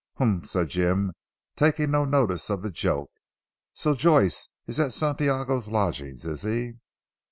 "Humph!" said Jim taking no notice of the joke, "so Joyce is at Santiago's lodgings is he?"